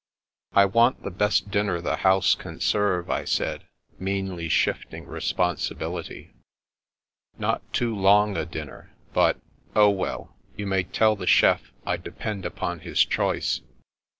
" I want the best dinner the house can serve," I said, meanly shifting responsibility. " Not too long a dinner, but— oh well, you may tell the chef I depend upon his choice."